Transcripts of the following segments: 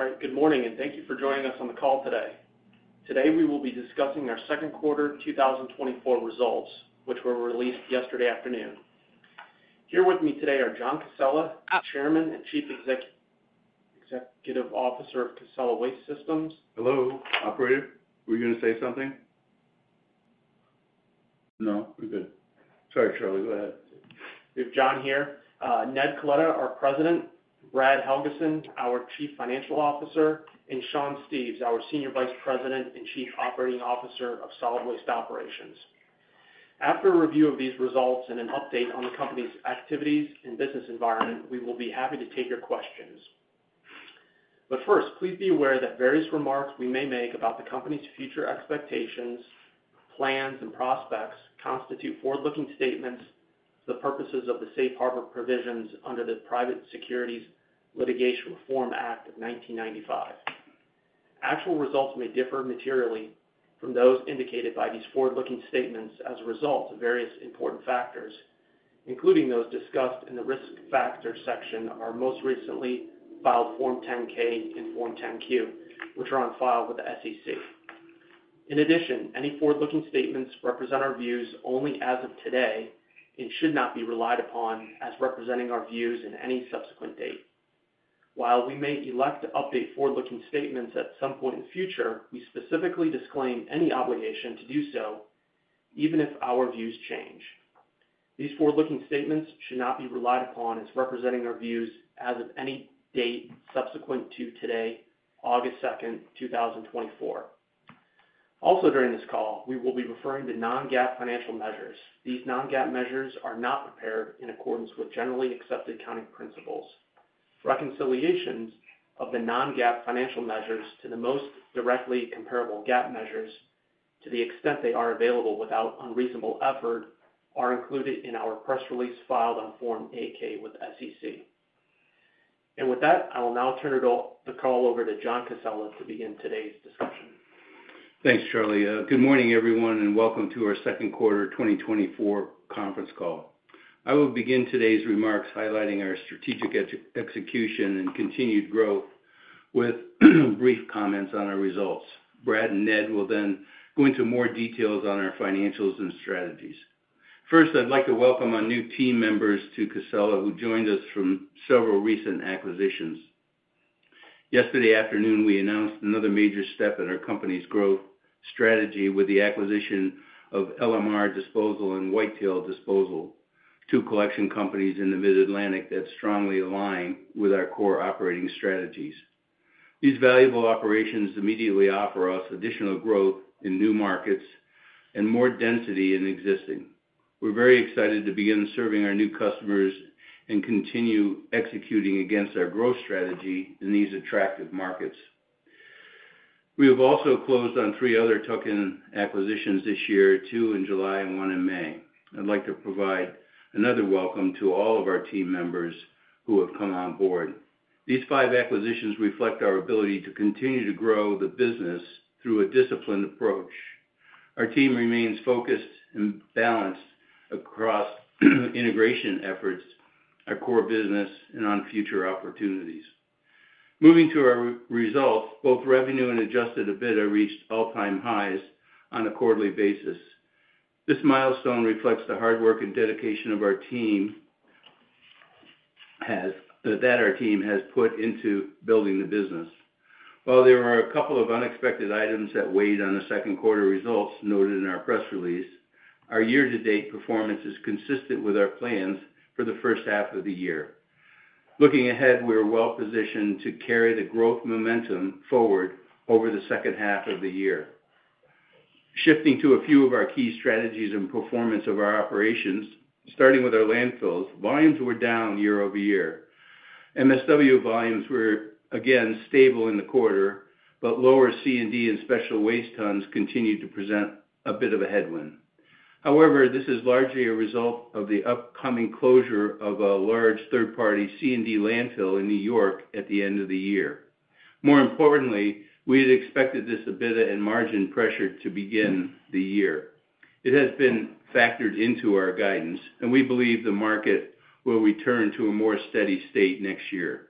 All right, good morning, and thank you for joining us on the call today. Today, we will be discussing our Q2 2024 results, which were released yesterday afternoon. Here with me today are John Casella, Chairman and Chief Executive Officer of Casella Waste Systems. Hello? Operator, were you going to say something? No, we're good. Sorry, Charlie, go ahead. We have John here, Ned Coletta, our President, Brad Helgeson, our Chief Financial Officer, and Sean Steves, our Senior Vice President and Chief Operating Officer of Solid Waste Operations. After a review of these results and an update on the company's activities and business environment, we will be happy to take your questions. But first, please be aware that various remarks we may make about the company's future expectations, plans, and prospects constitute forward-looking statements for the purposes of the Safe Harbor Provisions under the Private Securities Litigation Reform Act of 1995. Actual results may differ materially from those indicated by these forward-looking statements as a result of various important factors, including those discussed in the Risk Factors section, our most recently filed Form 10-K and Form 10-Q, which are on file with the SEC. In addition, any forward-looking statements represent our views only as of today and should not be relied upon as representing our views in any subsequent date. While we may elect to update forward-looking statements at some point in the future, we specifically disclaim any obligation to do so, even if our views change. These forward-looking statements should not be relied upon as representing our views as of any date subsequent to today, August 2, 2024. Also, during this call, we will be referring to non-GAAP financial measures. These non-GAAP measures are not prepared in accordance with generally accepted accounting principles. Reconciliations of the non-GAAP financial measures to the most directly comparable GAAP measures, to the extent they are available without unreasonable effort, are included in our press release filed on Form 8-K with the SEC. And with that, I will now turn the call over to John Casella to begin today's discussion. Thanks, Charlie. Good morning, everyone, and welcome to our Q2 2024 conference call. I will begin today's remarks highlighting our strategic execution and continued growth with brief comments on our results. Brad and Ned will then go into more details on our financials and strategies. First, I'd like to welcome our new team members to Casella, who joined us from several recent acquisitions. Yesterday afternoon, we announced another major step in our company's growth strategy with the acquisition of LMR Disposal and Whitetail Disposal, two collection companies in the Mid-Atlantic that strongly align with our core operating strategies. These valuable operations immediately offer us additional growth in new markets and more density in existing. We're very excited to begin serving our new customers and continue executing against our growth strategy in these attractive markets. We have also closed on three other tuck-in acquisitions this year, two in July and one in May. I'd like to provide another welcome to all of our team members who have come on board. These five acquisitions reflect our ability to continue to grow the business through a disciplined approach. Our team remains focused and balanced across integration efforts, our core business, and on future opportunities. Moving to our Q2 results, both revenue and Adjusted EBITDA reached all-time highs on a quarterly basis. This milestone reflects the hard work and dedication that our team has put into building the business. While there are a couple of unexpected items that weighed on the Q2 results noted in our press release, our year-to-date performance is consistent with our plans for the first half of the year. Looking ahead, we are well-positioned to carry the growth momentum forward over the second half of the year. Shifting to a few of our key strategies and performance of our operations, starting with our landfills, volumes were down year-over-year. MSW volumes were again stable in the quarter, but lower C&D and special waste tons continued to present a bit of a headwind. However, this is largely a result of the upcoming closure of a large third-party C&D landfill in New York at the end of the year. More importantly, we had expected this EBITDA and margin pressure to begin the year. It has been factored into our guidance, and we believe the market will return to a more steady state next year.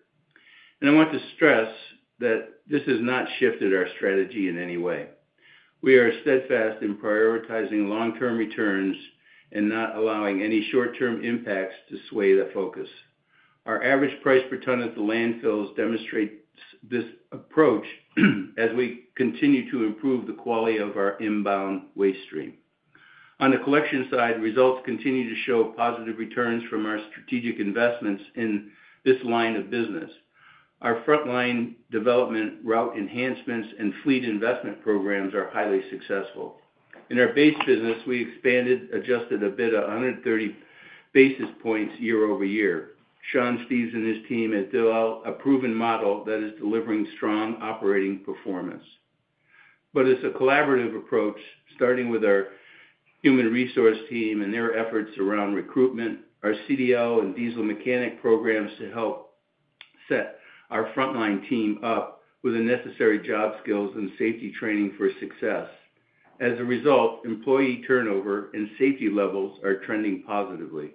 I want to stress that this has not shifted our strategy in any way. We are steadfast in prioritizing long-term returns and not allowing any short-term impacts to sway the focus. Our average price per ton at the landfills demonstrates this approach, as we continue to improve the quality of our inbound waste stream. On the collection side, results continue to show positive returns from our strategic investments in this line of business. Our frontline development, route enhancements, and fleet investment programs are highly successful. In our base business, we expanded, Adjusted EBITDA 130 basis points year-over-year. Sean Steves and his team have built out a proven model that is delivering strong operating performance. But it's a collaborative approach, starting with our human resource team and their efforts around recruitment, our CDL and diesel mechanic programs to help set our frontline team up with the necessary job skills and safety training for success. As a result, employee turnover and safety levels are trending positively.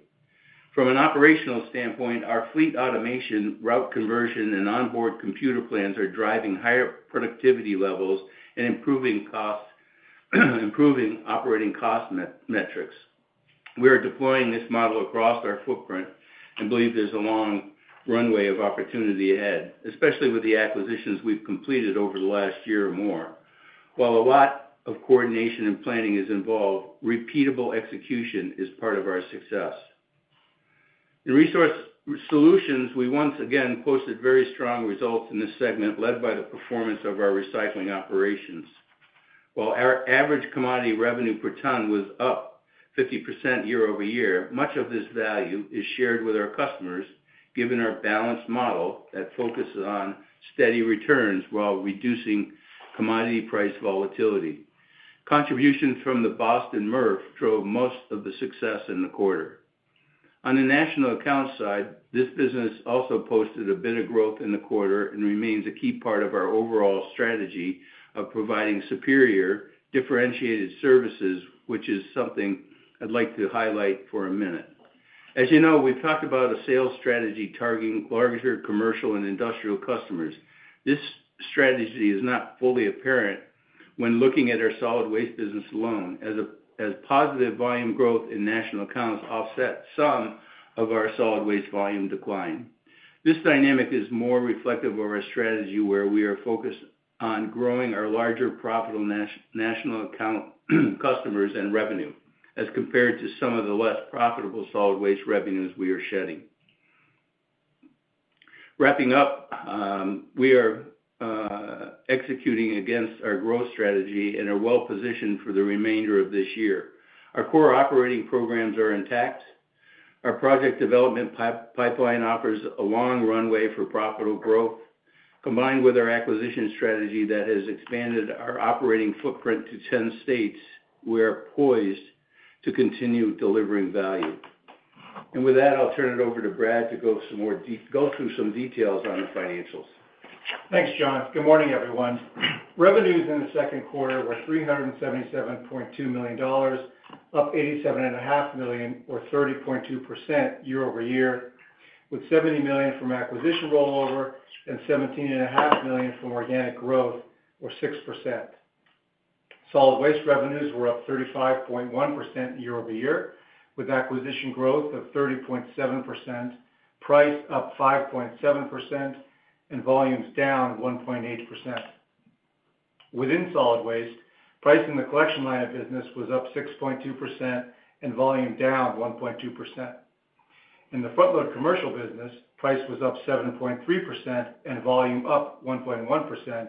From an operational standpoint, our fleet automation, route conversion, and onboard computer plans are driving higher productivity levels and improving costs, improving operating cost metrics. We are deploying this model across our footprint and believe there's a long runway of opportunity ahead, especially with the acquisitions we've completed over the last year or more. While a lot of coordination and planning is involved, repeatable execution is part of our success. In Resource Solutions, we once again posted very strong results in this segment, led by the performance of our recycling operations. While our average commodity revenue per ton was up 50% year-over-year, much of this value is shared with our customers, given our balanced model that focuses on steady returns while reducing commodity price volatility. Contributions from the Boston MRF drove most of the success in the quarter. On the national account side, this business also posted a bit of growth in the quarter and remains a key part of our overall strategy of providing superior, differentiated services, which is something I'd like to highlight for a minute. As you know, we've talked about a sales strategy targeting larger commercial and industrial customers. This strategy is not fully apparent when looking at our solid waste business alone, as positive volume growth in national accounts offset some of our solid waste volume decline. This dynamic is more reflective of our strategy, where we are focused on growing our larger, profitable national account customers and revenue, as compared to some of the less profitable solid waste revenues we are shedding. Wrapping up, we are executing against our growth strategy and are well-positioned for the remainder of this year. Our core operating programs are intact. Our project development pipeline offers a long runway for profitable growth. Combined with our acquisition strategy that has expanded our operating footprint to 10 states, we are poised to continue delivering value. With that, I'll turn it over to Brad to go some more go through some details on the financials. Thanks, John. Good morning, everyone. Revenues in the Q2 were $377.2 million, up $87.5 million, or 30.2% year-over-year, with $70 million from acquisition rollover and $17.5 million from organic growth, or 6%. Solid waste revenues were up 35.1% year-over-year, with acquisition growth of 30.7%, price up 5.7%, and volumes down 1.8%. Within solid waste, price in the collection line of business was up 6.2% and volume down 1.2%. In the front load commercial business, price was up 7.3% and volume up 1.1%,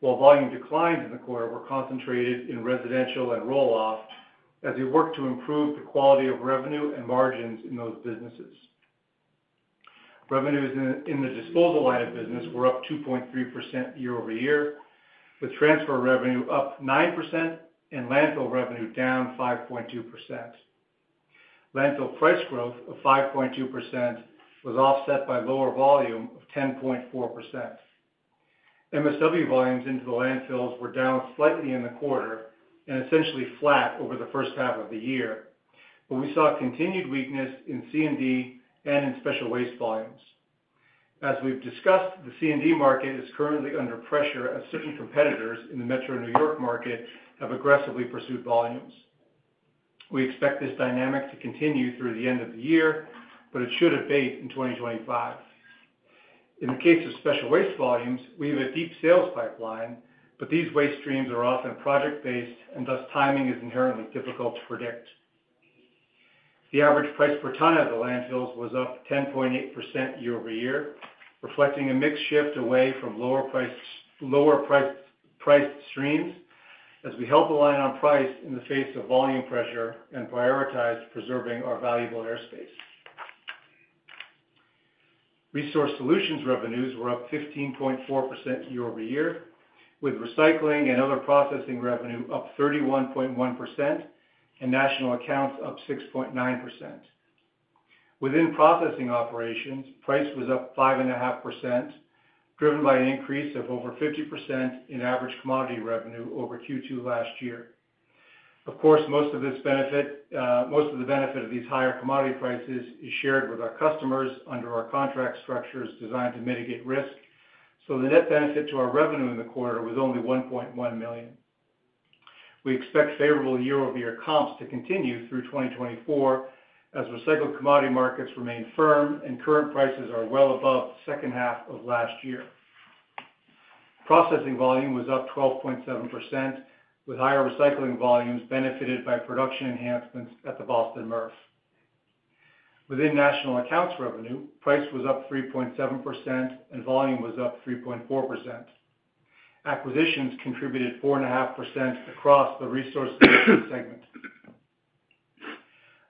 while volume declines in the quarter were concentrated in residential and roll-off, as we work to improve the quality of revenue and margins in those businesses. Revenues in the disposal line of business were up 2.3% year-over-year, with transfer revenue up 9% and landfill revenue down 5.2%. Landfill price growth of 5.2% was offset by lower volume of 10.4%. MSW volumes into the landfills were down slightly in the quarter and essentially flat over the first half of the year, but we saw continued weakness in C&D and in special waste volumes. As we've discussed, the C&D market is currently under pressure as certain competitors in the metro New York market have aggressively pursued volumes. We expect this dynamic to continue through the end of the year, but it should abate in 2025. In the case of special waste volumes, we have a deep sales pipeline, but these waste streams are often project-based, and thus timing is inherently difficult to predict. The average price per ton at the landfills was up 10.8% year-over-year, reflecting a mix shift away from lower price, lower priced streams as we help align on price in the face of volume pressure and prioritize preserving our valuable airspace. Resource Solutions revenues were up 15.4% year-over-year, with recycling and other processing revenue up 31.1% and national accounts up 6.9%. Within processing operations, price was up 5.5%, driven by an increase of over 50% in average commodity revenue over Q2 last year. Of course, most of this benefit, most of the benefit of these higher commodity prices is shared with our customers under our contract structures designed to mitigate risk, so the net benefit to our revenue in the quarter was only $1.1 million. We expect favorable year-over-year comps to continue through 2024, as recycled commodity markets remain firm and current prices are well above the second half of last year. Processing volume was up 12.7%, with higher recycling volumes benefited by production enhancements at the Boston MRF. Within national accounts revenue, price was up 3.7% and volume was up 3.4%. Acquisitions contributed 4.5% across the resource segment.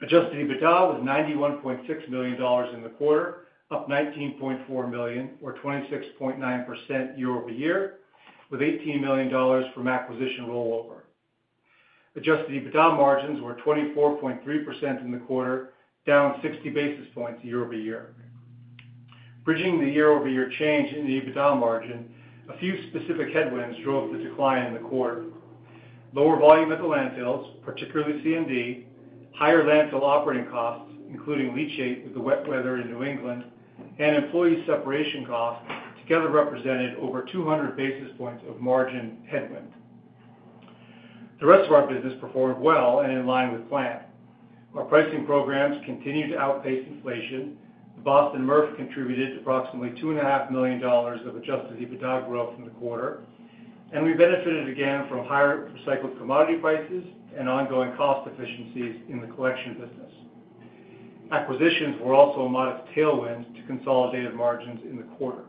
Adjusted EBITDA was $91.6 million in the quarter, up $19.4 million, or 26.9% year-over-year, with $18 million from acquisition rollover. Adjusted EBITDA margins were 24.3% in the quarter, down 60 basis points year-over-year. Bridging the year-over-year change in the EBITDA margin, a few specific headwinds drove the decline in the quarter. Lower volume at the landfills, particularly C&D, higher landfill operating costs, including leachate with the wet weather in New England, and employee separation costs together represented over 200 basis points of margin headwind. The rest of our business performed well and in line with plan. Our pricing programs continued to outpace inflation. The Boston MRF contributed approximately $2.5 million of Adjusted EBITDA growth in the quarter, and we benefited again from higher recycled commodity prices and ongoing cost efficiencies in the collection business. Acquisitions were also a modest tailwind to consolidated margins in the quarter.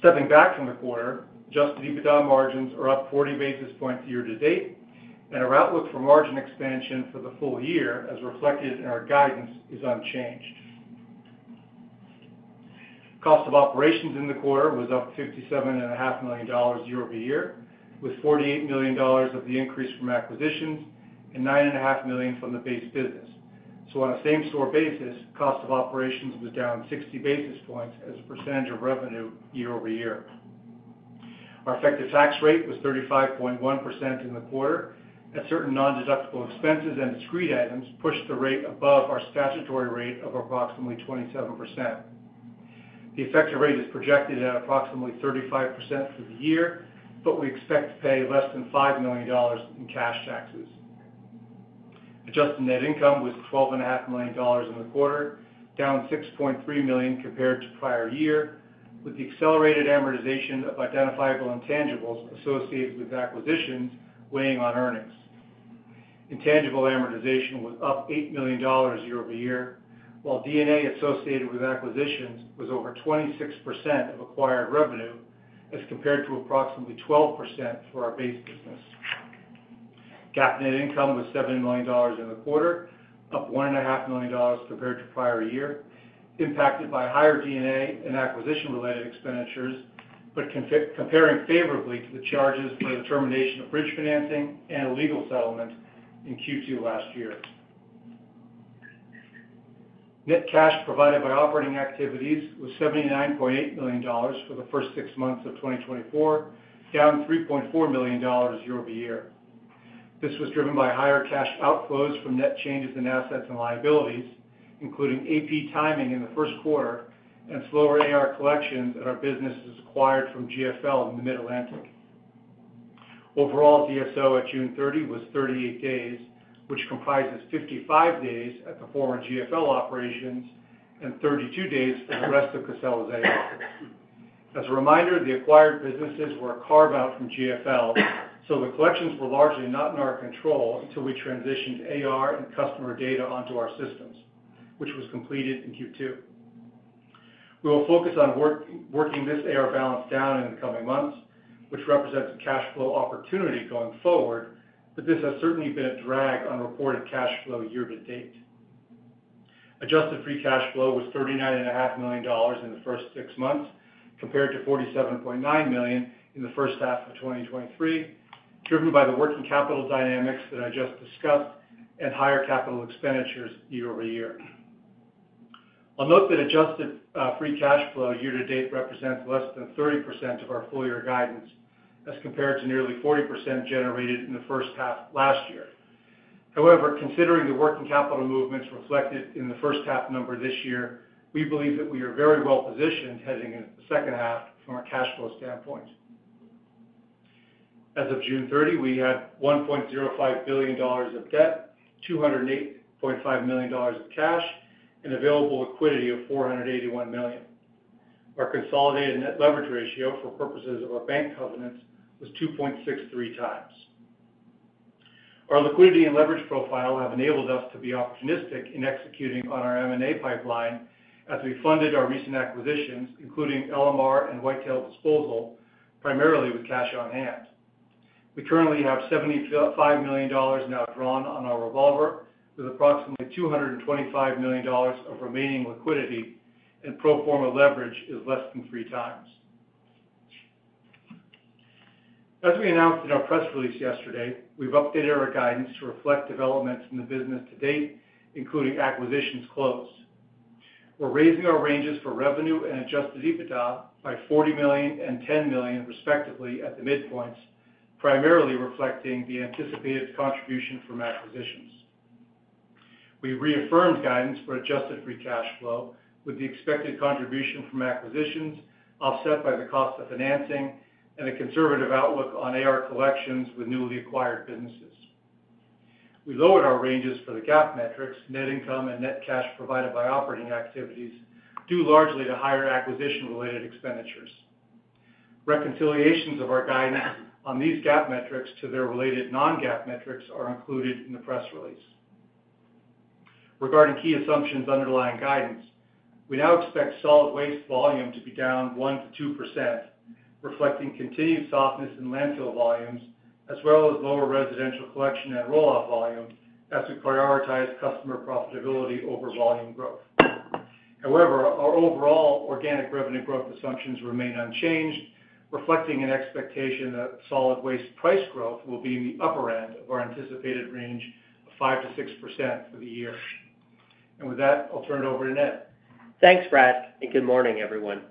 Stepping back from the quarter, Adjusted EBITDA margins are up 40 basis points year to date, and our outlook for margin expansion for the full year, as reflected in our guidance, is unchanged. Cost of operations in the quarter was up $57.5 million year-over-year, with $48 million of the increase from acquisitions and $9.5 million from the base business. So on a same-store basis, cost of operations was down 60 basis points as a percentage of revenue year-over-year. Our effective tax rate was 35.1% in the quarter, as certain nondeductible expenses and discrete items pushed the rate above our statutory rate of approximately 27%. The effective rate is projected at approximately 35% for the year, but we expect to pay less than $5 million in cash taxes. Adjusted net income was $12.5 million in the quarter, down $6.3 million compared to prior year, with the accelerated amortization of identifiable intangibles associated with acquisitions weighing on earnings. Intangible amortization was up $8 million year-over-year, while EBITDA associated with acquisitions was over 26% of acquired revenue, as compared to approximately 12% for our base business. GAAP net income was $70 million in the quarter, up $1.5 million compared to prior year, impacted by higher D&A and acquisition-related expenditures, but comparing favorably to the charges for the termination of bridge financing and a legal settlement in Q2 last year. Net cash provided by operating activities was $79.8 million for the first six months of 2024, down $3.4 million year-over-year. This was driven by higher cash outflows from net changes in assets and liabilities, including AP timing in the Q1 and slower AR collections at our businesses acquired from GFL in the Mid-Atlantic. Overall, DSO at June 30 was 38 days, which comprises 55 days at the former GFL operations and 32 days for the rest of Casella's AR. As a reminder, the acquired businesses were a carve-out from GFL, so the collections were largely not in our control until we transitioned AR and customer data onto our systems, which was completed in Q2. We will focus on working this AR balance down in the coming months, which represents a cash flow opportunity going forward, but this has certainly been a drag on reported cash flow year to date. Adjusted Free Cash Flow was $39.5 million in the first six months, compared to $47.9 million in the first half of 2023, driven by the working capital dynamics that I just discussed and higher capital expenditures year-over-year. I'll note that Adjusted Free Cash Flow year to date represents less than 30% of our full-year guidance, as compared to nearly 40% generated in the first half last year. However, considering the working capital movements reflected in the first half number this year, we believe that we are very well positioned heading into the second half from a cash flow standpoint. As of June 30, we had $1.05 billion of debt, $208.5 million of cash, and available liquidity of $481 million. Our consolidated net leverage ratio for purposes of our bank covenants was 2.63 times. Our liquidity and leverage profile have enabled us to be opportunistic in executing on our M&A pipeline as we funded our recent acquisitions, including LMR and Whitetail Disposal, primarily with cash on hand. We currently have $75 million now drawn on our revolver, with approximately $225 million of remaining liquidity, and pro forma leverage is less than 3 times. As we announced in our press release yesterday, we've updated our guidance to reflect developments in the business to date, including acquisitions closed. We're raising our ranges for revenue and Adjusted EBITDA by $40 million and $10 million, respectively, at the midpoints, primarily reflecting the anticipated contribution from acquisitions. We reaffirmed guidance for Adjusted Free Cash Flow with the expected contribution from acquisitions, offset by the cost of financing and a conservative outlook on AR collections with newly acquired businesses. We lowered our ranges for the GAAP metrics, net income and net cash provided by operating activities, due largely to higher acquisition-related expenditures. Reconciliations of our guidance on these GAAP metrics to their related non-GAAP metrics are included in the press release. Regarding key assumptions underlying guidance, we now expect solid waste volume to be down 1%-2%, reflecting continued softness in landfill volumes, as well as lower residential collection and roll-off volumes as we prioritize customer profitability over volume growth. However, our overall organic revenue growth assumptions remain unchanged, reflecting an expectation that solid waste price growth will be in the upper end of our anticipated range of 5%-6% for the year. With that, I'll turn it over to Ned. Thanks, Brad, and good morning, everyone.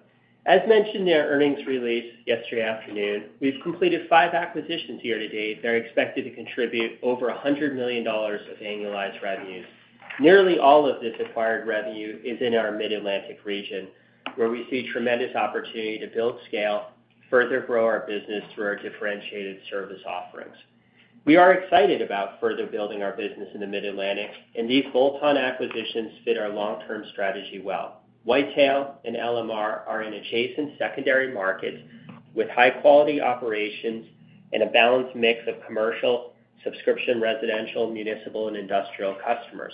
As mentioned in our earnings release yesterday afternoon, we've completed 5 acquisitions year to date that are expected to contribute over $100 million of annualized revenues. Nearly all of this acquired revenue is in our Mid-Atlantic region, where we see tremendous opportunity to build scale, further grow our business through our differentiated service offerings. We are excited about further building our business in the Mid-Atlantic, and these bolt-on acquisitions fit our long-term strategy well. Whitetail and LMR are in adjacent secondary markets with high-quality operations and a balanced mix of commercial, subscription, residential, municipal, and industrial customers.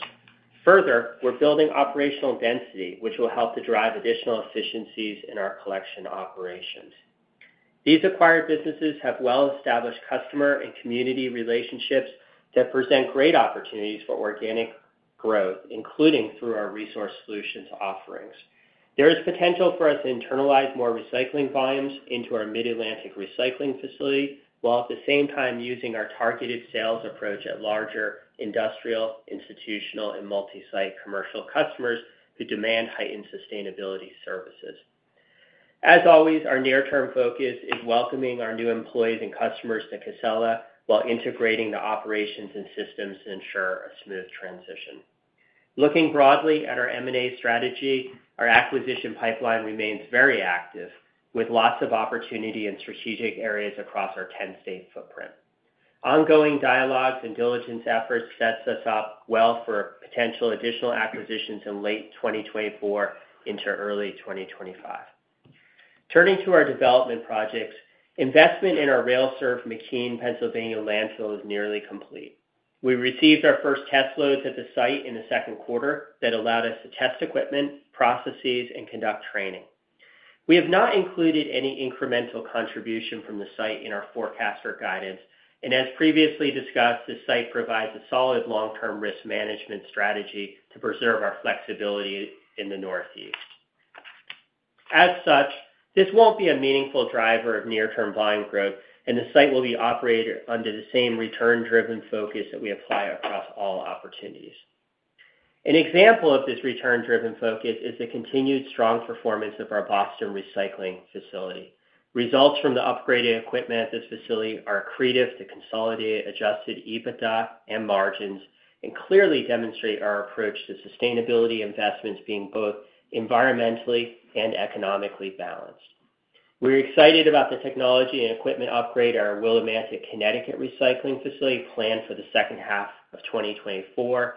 Further, we're building operational density, which will help to drive additional efficiencies in our collection operations. These acquired businesses have well-established customer and community relationships that present great opportunities for organic growth, including through our resource solutions offerings. There is potential for us to internalize more recycling volumes into our Mid-Atlantic recycling facility, while at the same time using our targeted sales approach at larger industrial, institutional, and multi-site commercial customers who demand heightened sustainability services. As always, our near-term focus is welcoming our new employees and customers to Casella while integrating the operations and systems to ensure a smooth transition. Looking broadly at our M&A strategy, our acquisition pipeline remains very active, with lots of opportunity in strategic areas across our ten-state footprint. Ongoing dialogues and diligence efforts sets us up well for potential additional acquisitions in late 2024 into early 2025. Turning to our development projects, investment in our rail-served McKean, Pennsylvania landfill is nearly complete. We received our first test loads at the site in the Q2 that allowed us to test equipment, processes, and conduct training. We have not included any incremental contribution from the site in our forecast or guidance, and as previously discussed, this site provides a solid long-term risk management strategy to preserve our flexibility in the Northeast. As such, this won't be a meaningful driver of near-term volume growth, and the site will be operated under the same return-driven focus that we apply across all opportunities. An example of this return-driven focus is the continued strong performance of our Boston recycling facility. Results from the upgraded equipment at this facility are accretive to consolidated Adjusted EBITDA and margins and clearly demonstrate our approach to sustainability investments being both environmentally and economically balanced. We're excited about the technology and equipment upgrade at our Willimantic, Connecticut recycling facility, planned for the second half of 2024.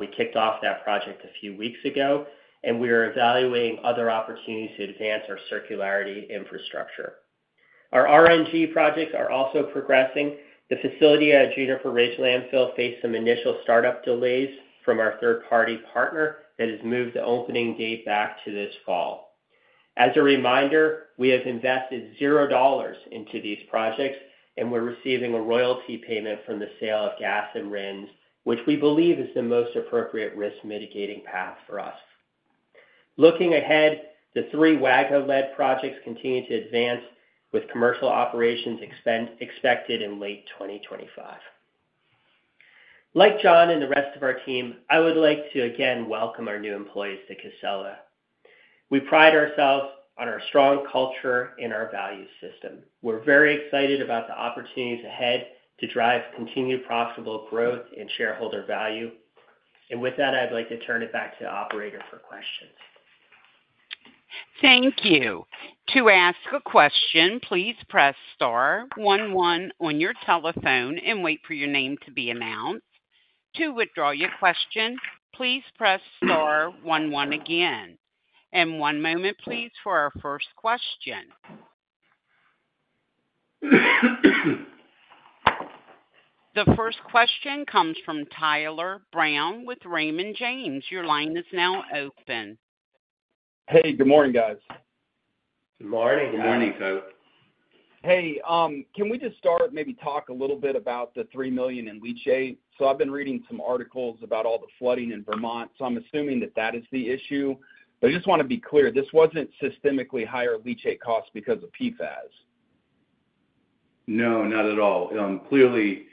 We kicked off that project a few weeks ago, and we are evaluating other opportunities to advance our circularity infrastructure. Our RNG projects are also progressing. The facility at Juniper Ridge Landfill faced some initial startup delays from our third-party partner that has moved the opening date back to this fall. As a reminder, we have invested $0 into these projects, and we're receiving a royalty payment from the sale of gas and RINs, which we believe is the most appropriate risk-mitigating path for us. Looking ahead, the three Waga-led projects continue to advance, with commercial operations expected in late 2025. Like John and the rest of our team, I would like to again welcome our new employees to Casella. We pride ourselves on our strong culture and our value system. We're very excited about the opportunities ahead to drive continued profitable growth and shareholder value. With that, I'd like to turn it back to the operator for questions. Thank you. To ask a question, please press star one one on your telephone and wait for your name to be announced. To withdraw your question, please press star one one again. One moment, please, for our first question. The first question comes from Tyler Brown with Raymond James. Your line is now open. Hey, good morning, guys. Good morning. Good morning, Tyler. Hey, can we just start, maybe talk a little bit about the $3 million in leachate? So I've been reading some articles about all the flooding in Vermont, so I'm assuming that that is the issue. But I just want to be clear, this wasn't systemically higher leachate costs because of PFAS. No, not at all. Clearly,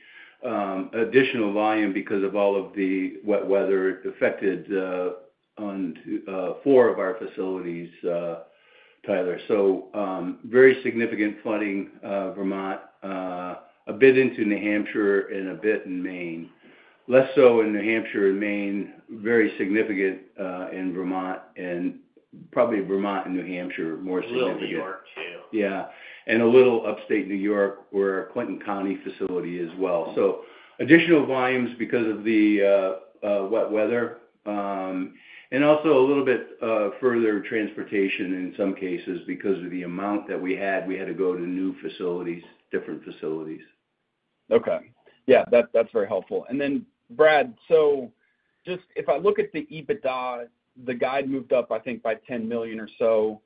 additional volume because of all of the wet weather affected four of our facilities, Tyler. So, very significant flooding, Vermont, a bit into New Hampshire and a bit in Maine. Less so in New Hampshire and Maine, very significant in Vermont, and probably Vermont and New Hampshire, more significant. A little New York, too. Yeah, and a little upstate New York, where our Clinton County facility is well. So additional volumes because of the wet weather, and also a little bit further transportation in some cases, because of the amount that we had, we had to go to new facilities, different facilities. Okay. Yeah, that's, that's very helpful. And then, Brad, so just if I look at the EBITDA, the guide moved up, I think, by $10 million or so,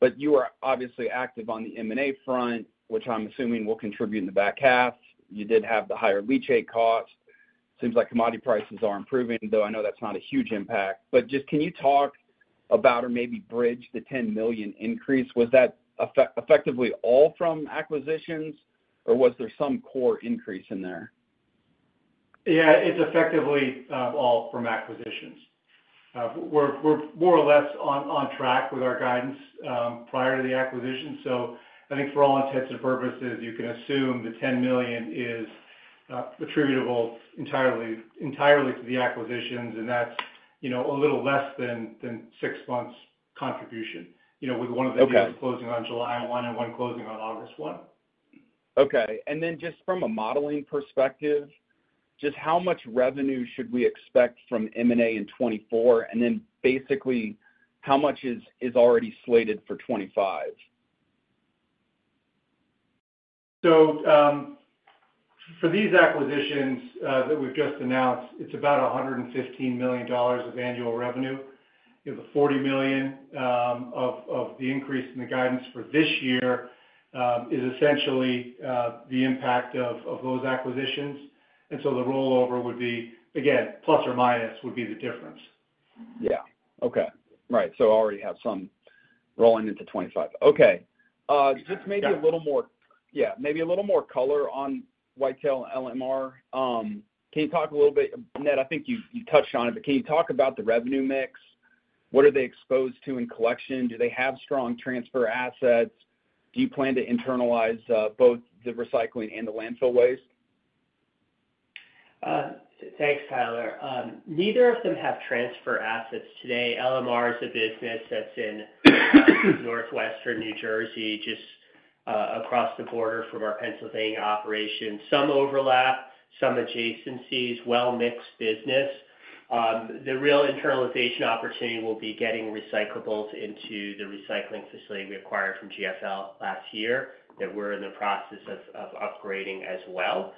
but you are obviously active on the M&A front, which I'm assuming will contribute in the back half. You did have the higher leachate cost. Seems like commodity prices are improving, though I know that's not a huge impact. But just can you talk about or maybe bridge the $10 million increase. Was that effectively all from acquisitions, or was there some core increase in there? Yeah, it's effectively all from acquisitions. We're more or less on track with our guidance prior to the acquisition. So I think for all intents and purposes, you can assume the $10 million is attributable entirely to the acquisitions, and that's, you know, a little less than six months contribution. You know, with one of the- Okay deals closing on July 1 and one closing on August 1. Okay. And then just from a modeling perspective, just how much revenue should we expect from M&A in 2024? And then basically, how much is already slated for 2025? So, for these acquisitions that we've just announced, it's about $115 million of annual revenue. You have $40 million of the increase in the guidance for this year is essentially the impact of those acquisitions. And so the rollover would be, again, plus or minus, would be the difference. Yeah. Okay. Right. So already have some rolling into 2025. Okay. Yeah. Just maybe a little more... Yeah, maybe a little more color on Whitetail LMR. Can you talk a little bit, Ned? I think you touched on it, but can you talk about the revenue mix? What are they exposed to in collection? Do they have strong transfer assets? Do you plan to internalize both the recycling and the landfill waste? Thanks, Tyler. Neither of them have transfer assets today. LMR is a business that's in northwestern New Jersey, just across the border from our Pennsylvania operation. Some overlap, some adjacencies, well-mixed business. The real internalization opportunity will be getting recyclables into the recycling facility we acquired from GFL last year, that we're in the process of upgrading as well.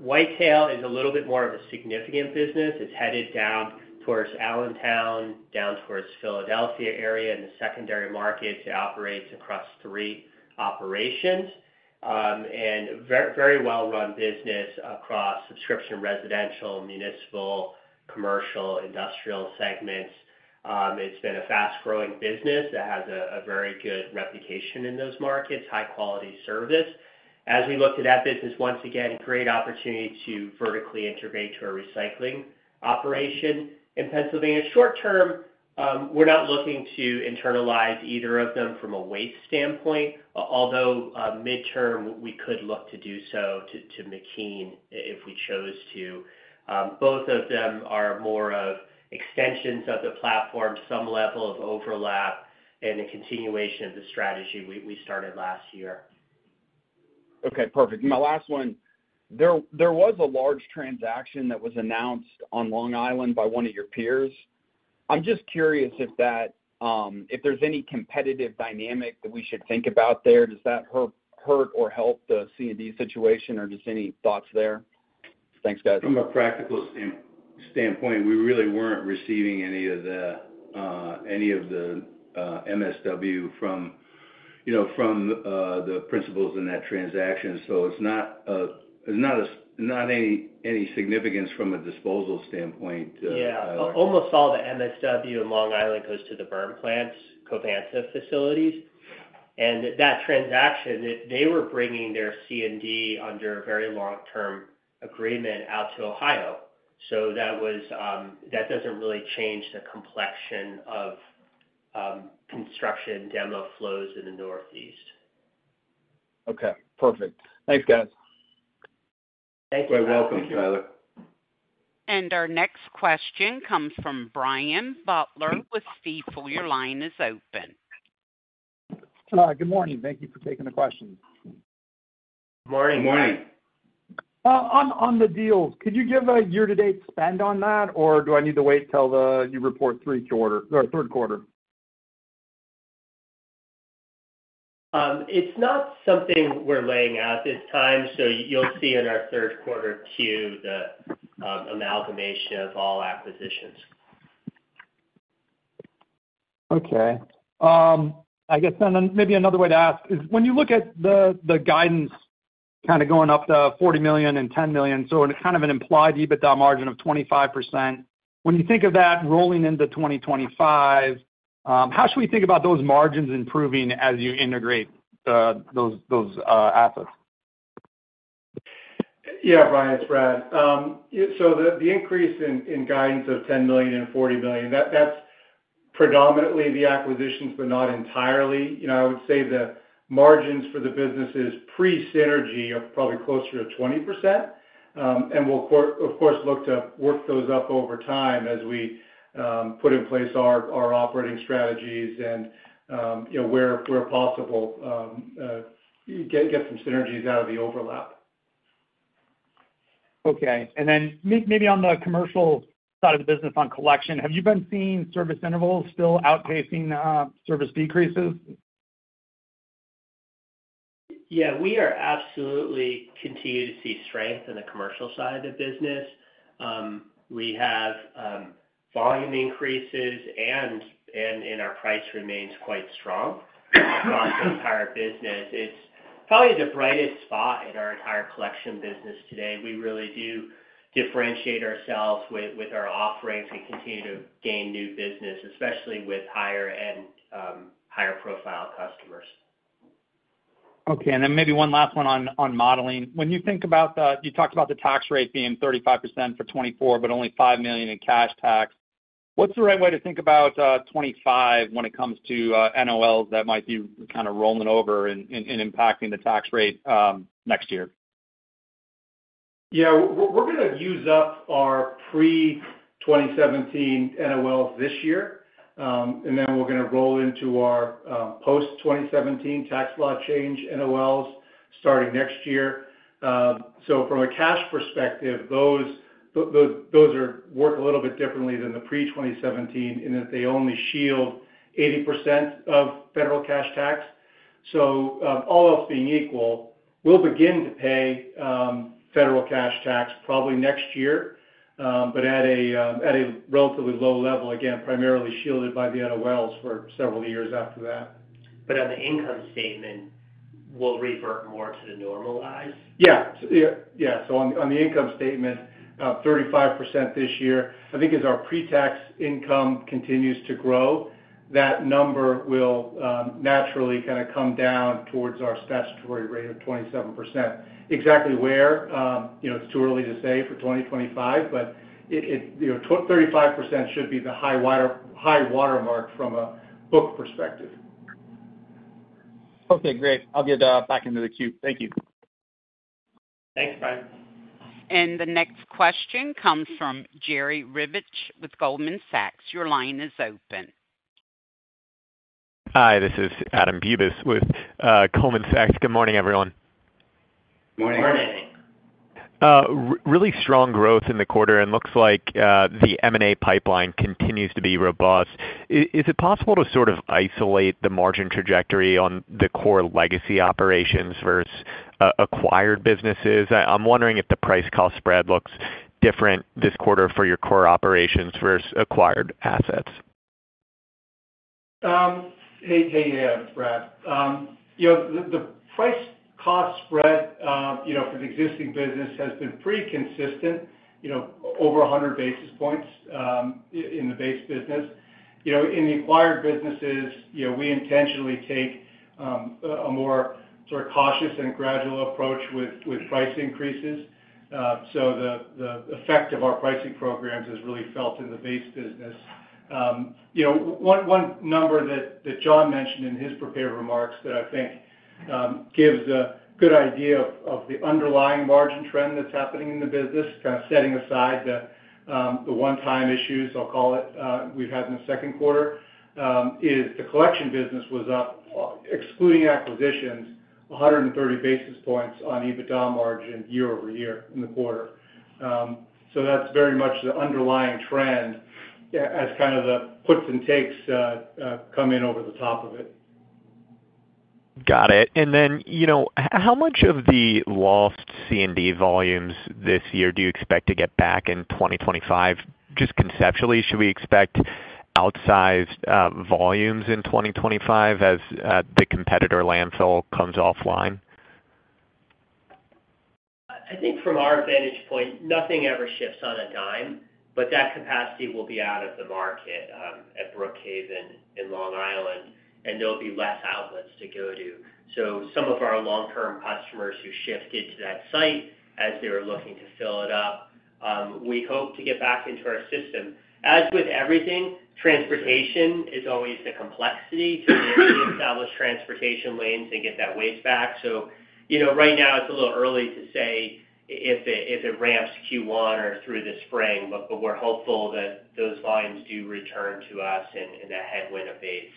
Whitetail is a little bit more of a significant business. It's headed down towards Allentown, down towards Philadelphia area. In the secondary markets, it operates across three operations. And very, very well-run business across subscription, residential, municipal, commercial, industrial segments. It's been a fast-growing business that has a very good reputation in those markets, high-quality service. As we look at that business, once again, great opportunity to vertically integrate to our recycling operation in Pennsylvania. Short term, we're not looking to internalize either of them from a waste standpoint, although, midterm, we could look to do so to McKean if we chose to. Both of them are more of extensions of the platform, some level of overlap and a continuation of the strategy we started last year. Okay, perfect. My last one, there was a large transaction that was announced on Long Island by one of your peers. I'm just curious if that, if there's any competitive dynamic that we should think about there. Does that hurt or help the C&D situation, or just any thoughts there? Thanks, guys. From a practical standpoint, we really weren't receiving any of the MSW from, you know, from the principals in that transaction. So it's not any significance from a disposal standpoint, Tyler. Yeah. Almost all the MSW in Long Island goes to the burn plants, Covanta facilities. That transaction, they were bringing their C&D under a very long-term agreement out to Ohio. So that was... That doesn't really change the complexion of construction demo flows in the Northeast. Okay, perfect. Thanks, guys. Thank you. You're welcome, Tyler. And our next question comes from Brian Butler with Stifel. Your line is open. Good morning. Thank you for taking the question. Good morning. Good morning. On the deals, could you give a year-to-date spend on that, or do I need to wait till you report the Q3? It's not something we're laying out this time, so you'll see in our Q3 Q the amalgamation of all acquisitions. Okay. I guess then, maybe another way to ask is, when you look at the guidance kind of going up to $40 million and $10 million, so kind of an implied EBITDA margin of 25%. When you think of that rolling into 2025, how should we think about those margins improving as you integrate those assets? Yeah, Brian, it's Brad. Yeah, so the increase in guidance of $10 million and $40 million, that's predominantly the acquisitions, but not entirely. You know, I would say the margins for the businesses, pre-synergy, are probably closer to 20%. And we'll, of course, look to work those up over time as we put in place our operating strategies and, you know, where possible, get some synergies out of the overlap. Okay. And then maybe on the commercial side of the business, on collection, have you been seeing service intervals still outpacing, service decreases? Yeah, we are absolutely continuing to see strength in the commercial side of the business. We have volume increases and our price remains quite strong across the entire business. It's probably the brightest spot in our entire collection business today. We really do differentiate ourselves with our offerings. We continue to gain new business, especially with higher-end, higher-profile customers. Okay. And then maybe one last one on, on modeling. When you think about the-- you talked about the tax rate being 35% for 2024, but only $5 million in cash tax. What's the right way to think about, 2025 when it comes to, NOLs that might be kind of rolling over and, and impacting the tax rate, next year? Yeah, we're gonna use up our pre-2017 NOLs this year, and then we're gonna roll into our post-2017 tax law change NOLs starting next year. So from a cash perspective, those work a little bit differently than the pre-2017, in that they only shield 80% of federal cash tax. So, all else being equal, we'll begin to pay federal cash tax probably next year, but at a relatively low level, again, primarily shielded by the NOLs for several years after that. On the income statement, we'll revert more to the normalized? Yeah. So yeah, yeah. So on the income statement, 35% this year, I think as our pre-tax income continues to grow, that number will naturally kind of come down towards our statutory rate of 27%. Exactly where, you know, it's too early to say for 2025, but it. You know, 35% should be the high water, high watermark from a book perspective. Okay, great. I'll get back into the queue. Thank you. Thanks, Brian. The next question comes from Jerry Revich with Goldman Sachs. Your line is open. Hi, this is Adam Bubes with Goldman Sachs. Good morning, everyone. Morning. Morning. Really strong growth in the quarter, and looks like the M&A pipeline continues to be robust. Is it possible to sort of isolate the margin trajectory on the core legacy operations versus acquired businesses? I'm wondering if the price-cost spread looks different this quarter for your core operations versus acquired assets. Hey, hey, Adam. It's Brad. You know, the price-cost spread, you know, for the existing business has been pretty consistent, you know, over 100 basis points, in the base business. You know, in the acquired businesses, you know, we intentionally take a more sort of cautious and gradual approach with price increases. So the effect of our pricing programs is really felt in the base business. You know, one number that John mentioned in his prepared remarks that I think gives a good idea of the underlying margin trend that's happening in the business, kind of setting aside the one-time issues, I'll call it, we've had in the Q2, is the collection business was up, excluding acquisitions, 130 basis points on EBITDA margin year-over-year in the quarter. So that's very much the underlying trend as kind of the puts and takes come in over the top of it. Got it. And then, you know, how much of the lost C&D volumes this year do you expect to get back in 2025? Just conceptually, should we expect outsized volumes in 2025 as the competitor landfill comes offline? I think from our vantage point, nothing ever shifts on a dime, but that capacity will be out of the market at Brookhaven in Long Island, and there'll be less outlets to go to. So some of our long-term customers who shifted to that site, as they were looking to fill it up, we hope to get back into our system. As with everything, transportation is always the complexity to reestablish transportation lanes and get that waste back. So, you know, right now, it's a little early to say if it ramps Q1 or through the spring, but, but we're hopeful that those volumes do return to us in the headwind of base.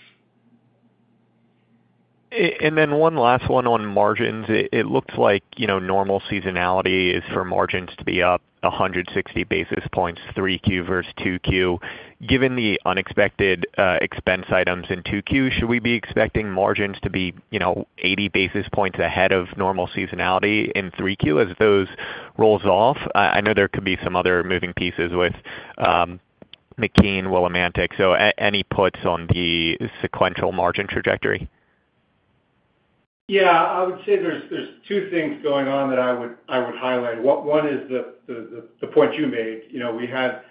And then one last one on margins. It looks like, you know, normal seasonality is for margins to be up 160 basis points, 3Q versus 2Q. Given the unexpected expense items in 2Q, should we be expecting margins to be, you know, 80 basis points ahead of normal seasonality in 3Q as those rolls off? I know there could be some other moving pieces with McKean, Willimantic, so any puts on the sequential margin trajectory? Yeah, I would say there's two things going on that I would highlight. One is the point you made. You know, we had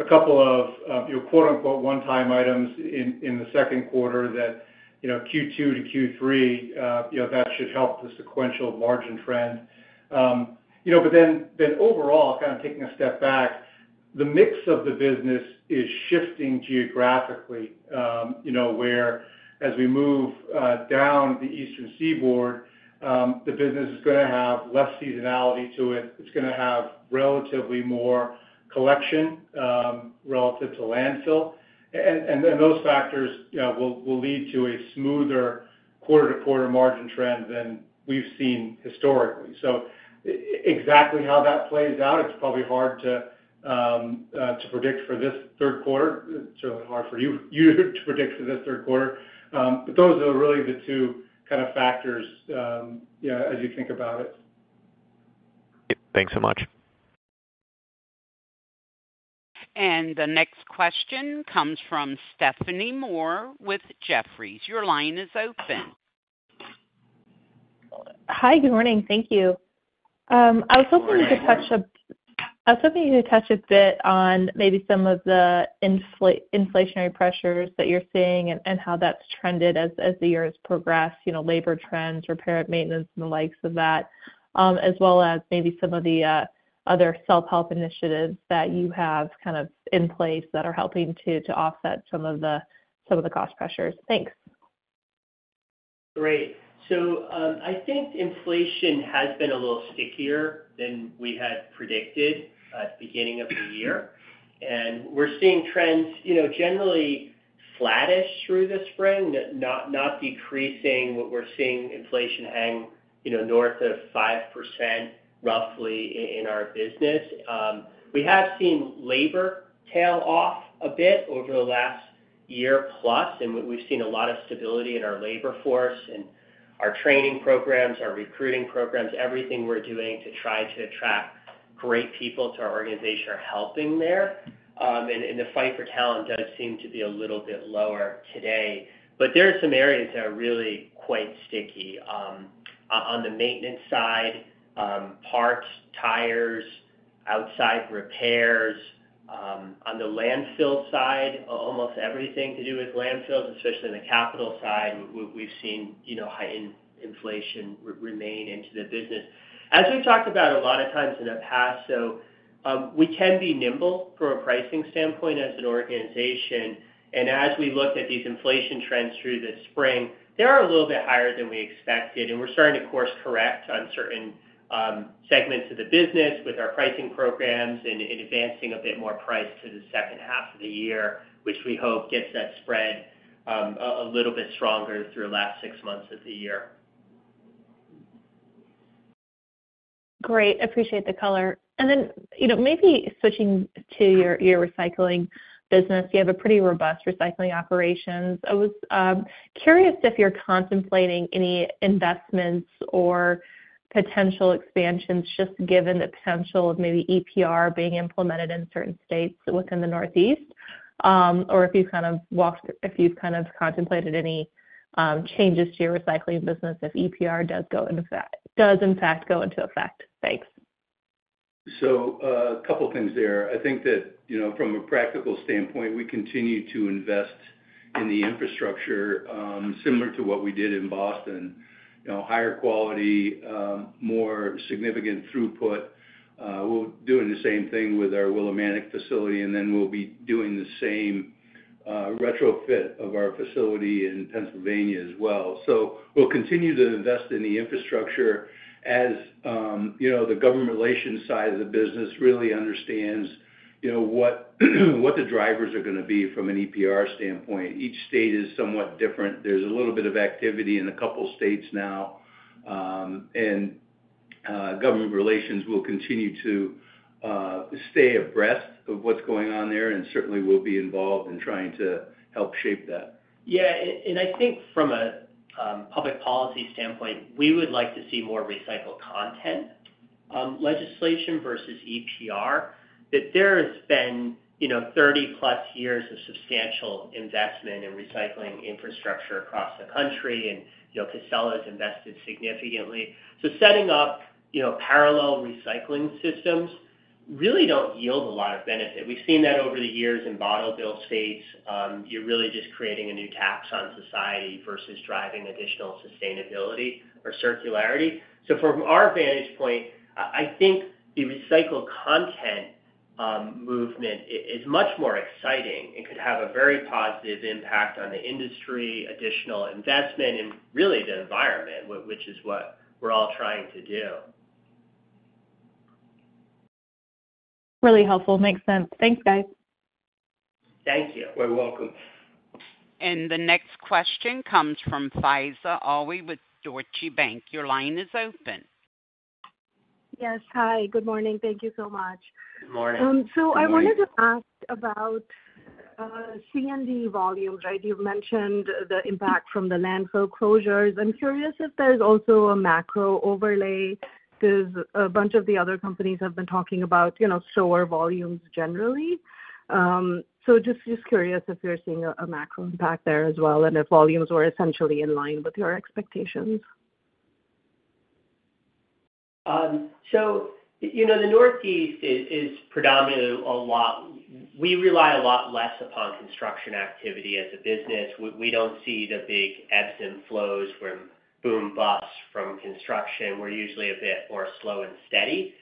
a couple of, you know, quote-unquote, "one-time items" in the Q2 that, you know, Q2 to Q3, you know, that should help the sequential margin trend. You know, but then overall, kind of taking a step back, the mix of the business is shifting geographically, you know, where as we move down the Eastern Seaboard, the business is gonna have less seasonality to it. It's gonna have relatively more collection relative to landfill. And then those factors, you know, will lead to a smoother quarter-to-quarter margin trend than we've seen historically. So exactly how that plays out, it's probably hard to to predict for this Q3. It's certainly hard for you, you to predict for this Q3. But those are really the two kind of factors, yeah, as you think about it. Thanks so much.... The next question comes from Stephanie Moore with Jefferies. Your line is open. Hi, good morning. Thank you. I was hoping you could touch a bit on maybe some of the inflationary pressures that you're seeing and how that's trended as the year has progressed, you know, labor trends, repair and maintenance, and the likes of that. As well as maybe some of the other self-help initiatives that you have kind of in place that are helping to offset some of the cost pressures. Thanks. Great. So, I think inflation has been a little stickier than we had predicted at the beginning of the year. And we're seeing trends, you know, generally flattish through the spring, not decreasing. What we're seeing inflation hang, you know, north of 5% roughly in our business. We have seen labor tail off a bit over the last year plus, and we've seen a lot of stability in our labor force and our training programs, our recruiting programs, everything we're doing to try to attract great people to our organization are helping there. And the fight for talent does seem to be a little bit lower today. But there are some areas that are really quite sticky. On the maintenance side, parts, tires, outside repairs. On the landfill side, almost everything to do with landfills, especially on the capital side, we've seen, you know, heightened inflation remain into the business. As we've talked about a lot of times in the past, so, we can be nimble from a pricing standpoint as an organization, and as we look at these inflation trends through the spring, they are a little bit higher than we expected, and we're starting to course correct on certain segments of the business with our pricing programs and advancing a bit more price to the second half of the year, which we hope gets that spread a little bit stronger through the last six months of the year. Great. Appreciate the color. And then, you know, maybe switching to your recycling business. You have a pretty robust recycling operations. I was curious if you're contemplating any investments or potential expansions, just given the potential of maybe EPR being implemented in certain states within the Northeast, or if you've kind of contemplated any changes to your recycling business if EPR does in fact go into effect? Thanks. So, a couple things there. I think that, you know, from a practical standpoint, we continue to invest in the infrastructure, similar to what we did in Boston. You know, higher quality, more significant throughput. We're doing the same thing with our Willimantic facility, and then we'll be doing the same, retrofit of our facility in Pennsylvania as well. So we'll continue to invest in the infrastructure as, you know, the government relations side of the business really understands, you know, what, what the drivers are gonna be from an EPR standpoint. Each state is somewhat different. There's a little bit of activity in a couple of states now, and, government relations will continue to, stay abreast of what's going on there, and certainly will be involved in trying to help shape that. Yeah, and I think from a public policy standpoint, we would like to see more recycled content legislation versus EPR. That there has been, you know, 30+ years of substantial investment in recycling infrastructure across the country, and, you know, Casella has invested significantly. So setting up, you know, parallel recycling systems really don't yield a lot of benefit. We've seen that over the years in bottle bill states. You're really just creating a new tax on society versus driving additional sustainability or circularity. So from our vantage point, I think the recycled content movement is much more exciting and could have a very positive impact on the industry, additional investment, and really the environment, which is what we're all trying to do. Really helpful. Makes sense. Thanks, guys. Thank you. You're welcome. The next question comes from Faiza Alwy with Deutsche Bank. Your line is open. Yes. Hi, good morning. Thank you so much. Good morning. Good morning. So I wanted to ask about C&D volumes, right? You've mentioned the impact from the landfill closures. I'm curious if there's also a macro overlay, because a bunch of the other companies have been talking about, you know, slower volumes generally. So just curious if you're seeing a macro impact there as well, and if volumes were essentially in line with your expectations. So you know, the Northeast is predominantly a lot... We rely a lot less upon construction activity as a business. We don't see the big ebbs and flows from boom, busts from construction. We're usually a bit more slow and steady.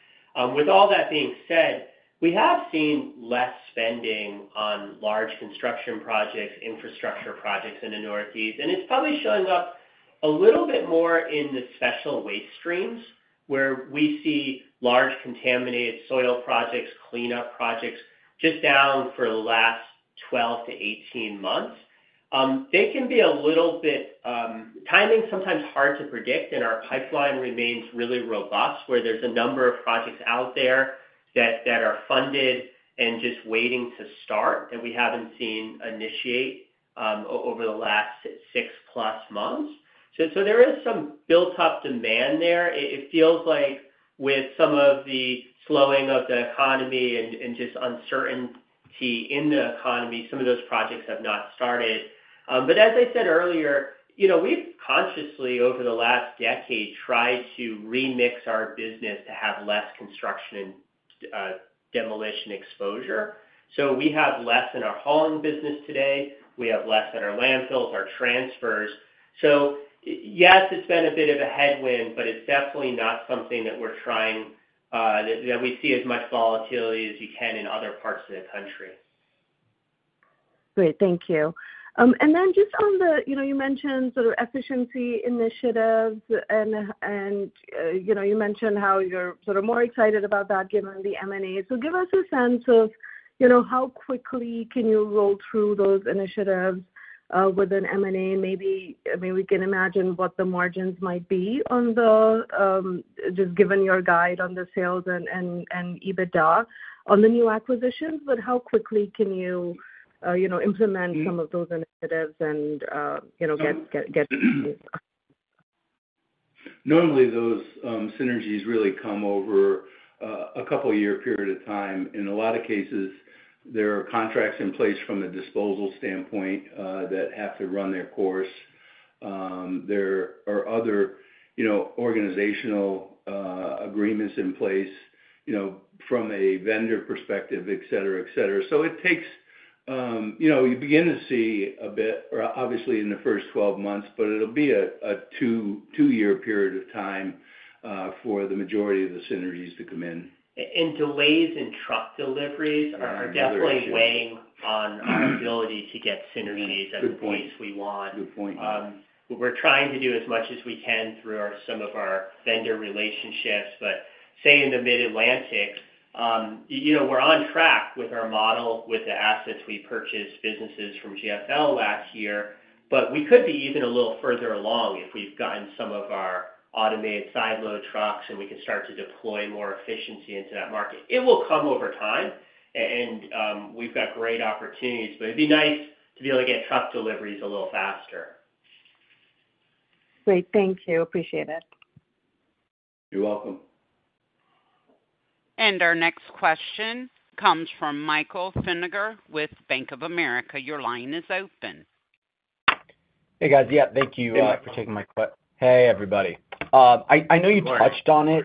With all that being said, we have seen less spending on large construction projects, infrastructure projects in the Northeast, and it's probably showing up a little bit more in the special waste streams, where we see large contaminated soil projects, cleanup projects, just down for the last 12-18 months. They can be a little bit, timing is sometimes hard to predict, and our pipeline remains really robust, where there's a number of projects out there that are funded and just waiting to start, that we haven't seen initiate over the last 6+ months. So there is some built-up demand there. It feels like with some of the slowing of the economy and just uncertainty we see in the economy, some of those projects have not started. But as I said earlier, you know, we've consciously, over the last decade, tried to remix our business to have less construction and demolition exposure. So we have less in our hauling business today, we have less at our landfills, our transfers. So yes, it's been a bit of a headwind, but it's definitely not something that we're trying, that we see as much volatility as you can in other parts of the country. Great, thank you. And then just on the, you know, you mentioned sort of efficiency initiatives and, and, you know, you mentioned how you're sort of more excited about that given the M&A. So give us a sense of, you know, how quickly can you roll through those initiatives within M&A? Maybe, maybe we can imagine what the margins might be on the. Just given your guide on the sales and EBITDA on the new acquisitions, but how quickly can you, you know, implement some of those initiatives and, you know, get? Normally, those synergies really come over a couple-year period of time. In a lot of cases, there are contracts in place from a disposal standpoint that have to run their course. There are other, you know, organizational agreements in place, you know, from a vendor perspective, et cetera, et cetera. So it takes. You know, you begin to see a bit, or obviously, in the first 12 months, but it'll be a two-year period of time for the majority of the synergies to come in. Delays in truck deliveries are definitely weighing on our ability to get synergies at the pace we want. Good point. Good point. We're trying to do as much as we can through our, some of our vendor relationships, but say in the Mid-Atlantic, you know, we're on track with our model, with the assets we purchased, businesses from GFL last year, but we could be even a little further along if we've gotten some of our automated side load trucks, and we can start to deploy more efficiency into that market. It will come over time and we've got great opportunities, but it'd be nice to be able to get truck deliveries a little faster. Great. Thank you. Appreciate it. You're welcome. Our next question comes from Michael Feniger with Bank of America. Your line is open. Hey, guys. Yeah, thank you for taking my question. Hey, everybody. I know you touched on it.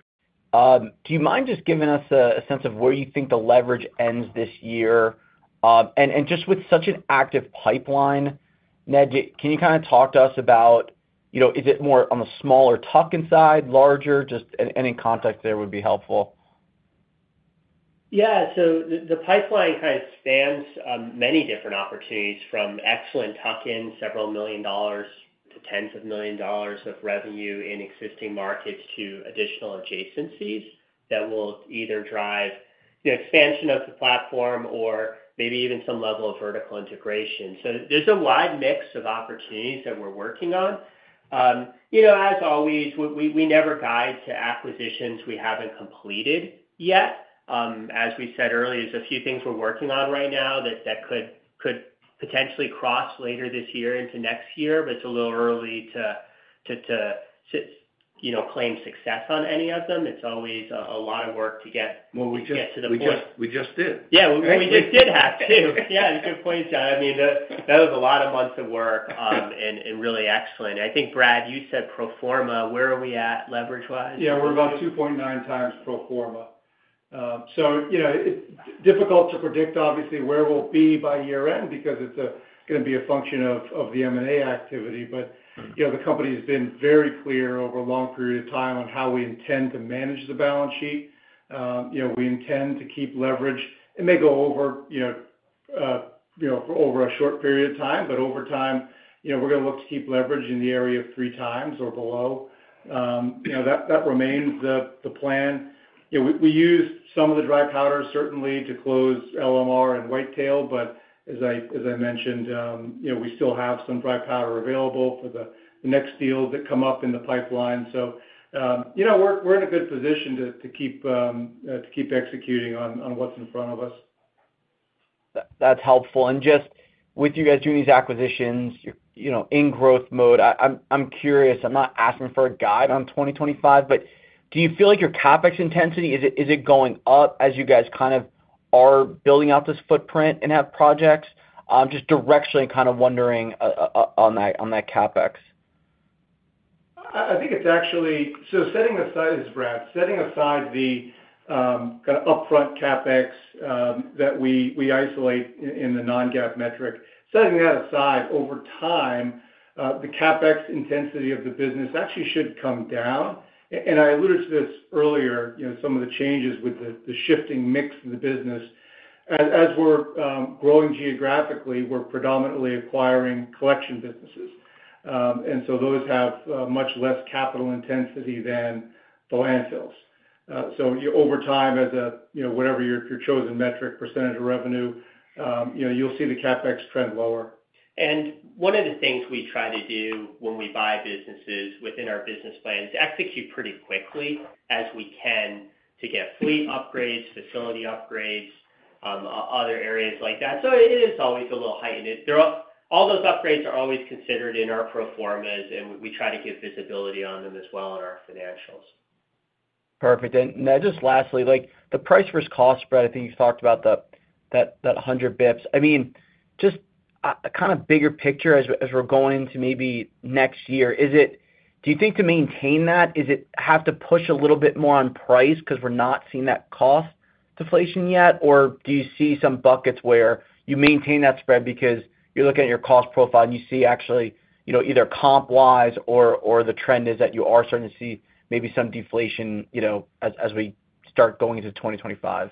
Good morning. Do you mind just giving us a sense of where you think the leverage ends this year? And just with such an active pipeline, Ned, can you kind of talk to us about, you know, is it more on the smaller tuck-in side, larger? Any context there would be helpful. Yeah. So the pipeline kind of spans many different opportunities, from excellent tuck-in $several million to $tens of million dollars of revenue in existing markets, to additional adjacencies that will either drive the expansion of the platform or maybe even some level of vertical integration. So there's a wide mix of opportunities that we're working on. You know, as always, we never guide to acquisitions we haven't completed yet. As we said earlier, there's a few things we're working on right now that could potentially cross later this year into next year, but it's a little early to you know, claim success on any of them. It's always a lot of work to get- Well, we just- To get to the point. We just did. Yeah, we just did have, too. Yeah, good point, John. I mean, that was a lot of months of work, and really excellent. I think, Brad, you said pro forma. Where are we at, leverage-wise? Yeah, we're about 2.9 times pro forma. So you know, it's difficult to predict, obviously, where we'll be by year-end because it's gonna be a function of the M&A activity. But, you know, the company has been very clear over a long period of time on how we intend to manage the balance sheet. You know, we intend to keep leverage. It may go over, you know, over a short period of time, but over time, you know, we're gonna look to keep leverage in the area of 3 times or below. You know, that remains the plan. You know, we, we used some of the dry powder, certainly, to close LMR and Whitetail, but as I, as I mentioned, you know, we still have some dry powder available for the next deals that come up in the pipeline. So, you know, we're, we're in a good position to keep executing on what's in front of us. That's helpful. And just with you guys doing these acquisitions, you're, you know, in growth mode, I'm curious, I'm not asking for a guide on 2025, but do you feel like your CapEx intensity is going up as you guys kind of are building out this footprint and have projects? Just directionally, kind of wondering on that CapEx. I think it's actually... So setting aside... This is Brad. Setting aside the, kind of upfront CapEx, that we, we isolate in the non-GAAP metric, setting that aside, over time, the CapEx intensity of the business actually should come down. And I alluded to this earlier, you know, some of the changes with the, the shifting mix of the business. As, as we're growing geographically, we're predominantly acquiring collection businesses. And so those have, much less capital intensity than the landfills. So over time, as a, you know, whatever your, your chosen metric, percentage of revenue, you know, you'll see the CapEx trend lower. One of the things we try to do when we buy businesses within our business plan, is execute pretty quickly as we can to get fleet upgrades, facility upgrades, other areas like that. So it is always a little heightened. There are all those upgrades are always considered in our pro formas, and we try to give visibility on them as well on our financials.... Perfect. And, Ned, just lastly, like the price versus cost spread, I think you've talked about the, that, that 100 basis points. I mean, just a kind of bigger picture as we're going to maybe next year, is it—do you think to maintain that, is it have to push a little bit more on price because we're not seeing that cost deflation yet? Or do you see some buckets where you maintain that spread because you're looking at your cost profile and you see actually, you know, either comp wise or the trend is that you are starting to see maybe some deflation, you know, as we start going into 2025?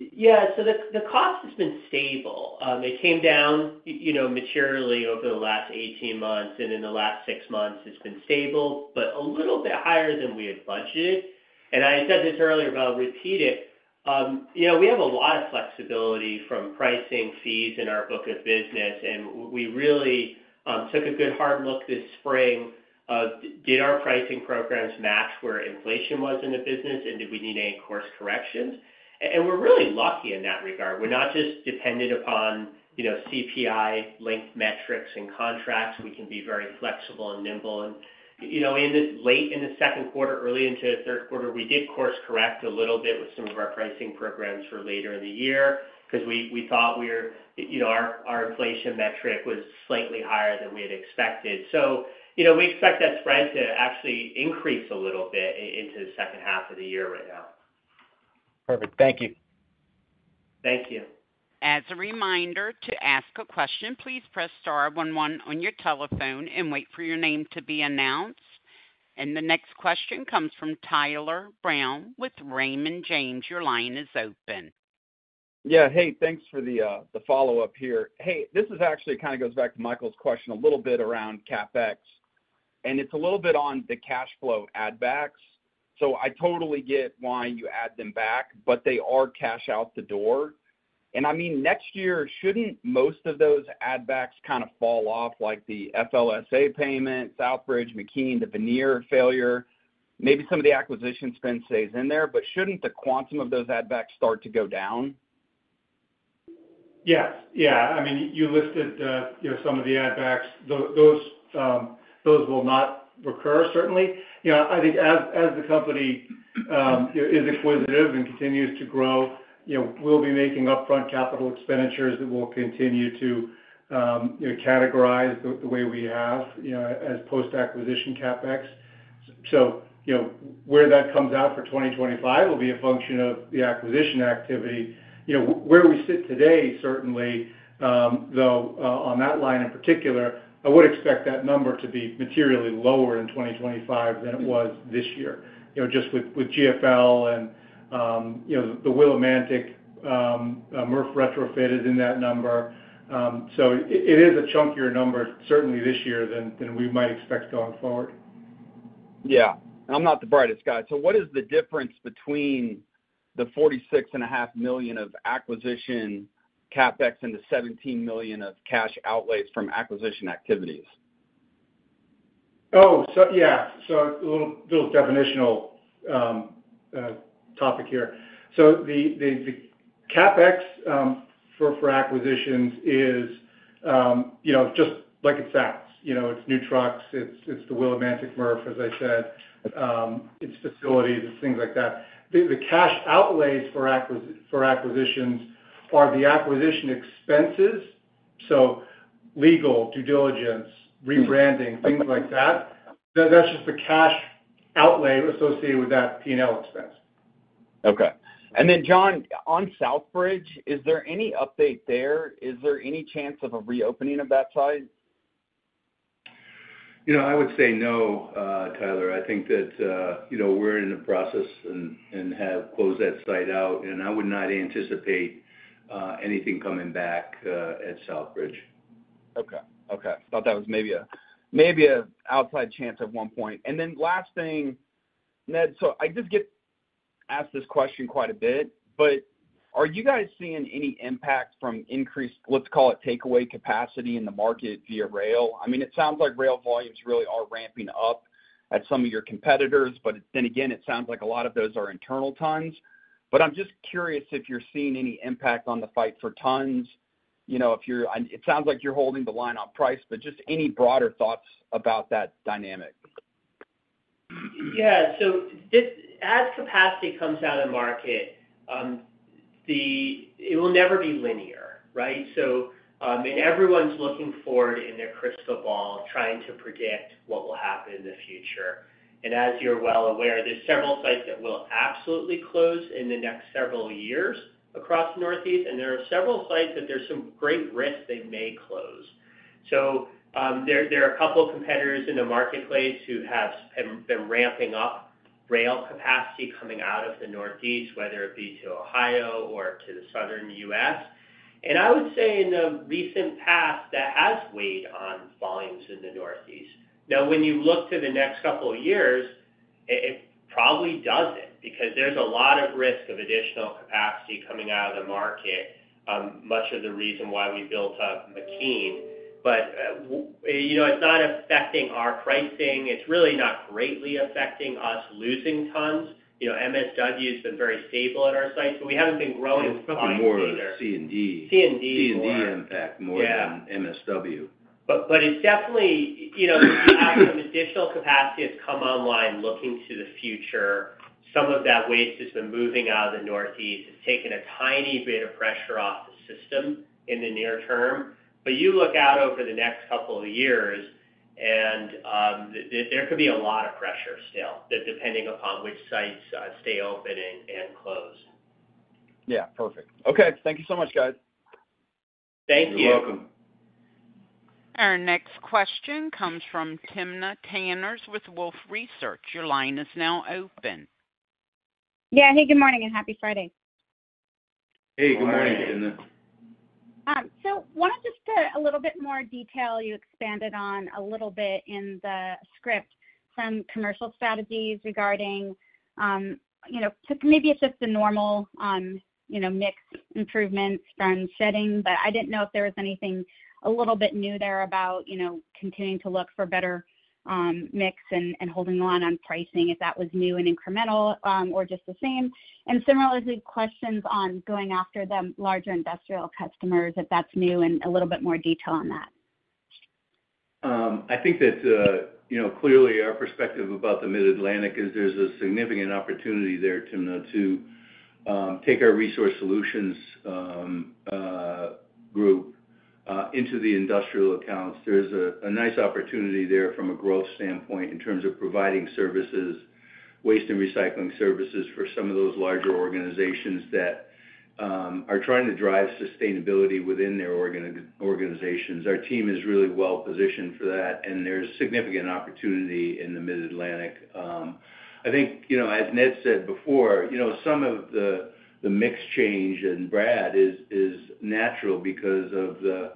Yeah, so the cost has been stable. It came down, you know, materially over the last 18 months, and in the last 6 months it's been stable, but a little bit higher than we had budgeted. And I said this earlier, but I'll repeat it: You know, we have a lot of flexibility from pricing fees in our book of business, and we really took a good hard look this spring of did our pricing programs match where inflation was in the business, and did we need any course corrections? And we're really lucky in that regard. We're not just dependent upon, you know, CPI-linked metrics and contracts. We can be very flexible and nimble. You know, in the late Q2, early into the Q3, we did course correct a little bit with some of our pricing programs for later in the year because we thought we were, you know, our inflation metric was slightly higher than we had expected. So, you know, we expect that spread to actually increase a little bit into the second half of the year right now. Perfect. Thank you. Thank you. As a reminder, to ask a question, please press star one one on your telephone and wait for your name to be announced. The next question comes from Tyler Brown with Raymond James. Your line is open. Yeah. Hey, thanks for the follow-up here. Hey, this is actually kind of goes back to Michael's question a little bit around CapEx, and it's a little bit on the cash flow add backs. So I totally get why you add them back, but they are cash out the door. And I mean, next year, shouldn't most of those add backs kind of fall off, like the FLSA payment, Southbridge, McKean, the veneer failure? Maybe some of the acquisition spend stays in there, but shouldn't the quantum of those add backs start to go down? Yes. Yeah. I mean, you listed, you know, some of the add backs. Those, those will not recur, certainly. You know, I think as, as the company, you know, is acquisitive and continues to grow, you know, we'll be making upfront capital expenditures that we'll continue to, you know, categorize the, the way we have, you know, as post-acquisition CapEx. So, you know, where that comes out for 2025 will be a function of the acquisition activity. You know, where we sit today, certainly, though, on that line in particular, I would expect that number to be materially lower in 2025 than it was this year. You know, just with, with GFL and, you know, the Willimantic, MRF retrofitted in that number. So it is a chunkier number, certainly this year than, than we might expect going forward. Yeah. I'm not the brightest guy, so what is the difference between the $46.5 million of acquisition CapEx and the $17 million of cash outlays from acquisition activities? Oh, so yeah. So a little definitional topic here. So the CapEx for acquisitions is, you know, just like it sounds. You know, it's new trucks, it's the Willimantic MRF, as I said, it's facilities, it's things like that. The cash outlays for acquisitions are the acquisition expenses, so legal, due diligence, rebranding, things like that. That's just the cash outlay associated with that P&L expense. Okay. And then, John, on Southbridge, is there any update there? Is there any chance of a reopening of that site? You know, I would say no, Tyler. I think that, you know, we're in the process and, and have closed that site out, and I would not anticipate anything coming back at Southbridge. Okay. Okay. I thought that was maybe a, maybe an outside chance at one point. And then last thing, Ned, so I just ask this question quite a bit, but are you guys seeing any impact from increased, let's call it, takeaway capacity in the market via rail? I mean, it sounds like rail volumes really are ramping up at some of your competitors, but then again, it sounds like a lot of those are internal tons. But I'm just curious if you're seeing any impact on the fight for tons. You know, if you're- and it sounds like you're holding the line on price, but just any broader thoughts about that dynamic? Yeah. So this, as capacity comes out of market, it will never be linear, right? So, and everyone's looking forward in their crystal ball, trying to predict what will happen in the future. And as you're well aware, there's several sites that will absolutely close in the next several years across Northeast, and there are several sites that there's some great risk they may close. So, there are a couple of competitors in the marketplace who have been ramping up rail capacity coming out of the Northeast, whether it be to Ohio or to the southern U.S. And I would say in the recent past, that has weighed on volumes in the Northeast. Now, when you look to the next couple of years, it probably doesn't, because there's a lot of risk of additional capacity coming out of the market, much of the reason why we built up McKean. But you know, it's not affecting our pricing. It's really not greatly affecting us losing tons. You know, MSW has been very stable at our sites, so we haven't been growing- It's probably more of C&D. C&D more. C&D impact more than- Yeah - MSW. But it's definitely, you know, as some additional capacity has come online, looking to the future, some of that waste that's been moving out of the Northeast has taken a tiny bit of pressure off the system in the near term. But you look out over the next couple of years, and there could be a lot of pressure still, depending upon which sites stay open and close. Yeah, perfect. Okay, thank you so much, guys. Thank you. You're welcome. Our next question comes from Timna Tanners with Wolfe Research. Your line is now open. Yeah. Hey, good morning and happy Friday. Hey, good morning, Timna. Good morning. So, wanted just to get a little bit more detail. You expanded on a little bit in the script, some commercial strategies regarding, you know, maybe it's just the normal, you know, mix improvements from setting. But I didn't know if there was anything a little bit new there about, you know, continuing to look for better, mix and, and holding the line on pricing, if that was new and incremental, or just the same. And similarly, questions on going after the larger industrial customers, if that's new, and a little bit more detail on that. I think that, you know, clearly our perspective about the Mid-Atlantic is there's a significant opportunity there, Timna, to take our Resource Solutions group into the industrial accounts. There's a nice opportunity there from a growth standpoint in terms of providing services, waste and recycling services, for some of those larger organizations that are trying to drive sustainability within their organizations. Our team is really well positioned for that, and there's significant opportunity in the Mid-Atlantic. I think, you know, as Ned said before, you know, some of the mix change in Brad is natural because of the